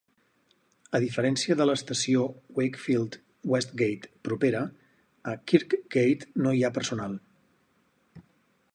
A diferència de l'estació Wakefield Westgate propera, a Kirkgate no hi ha personal.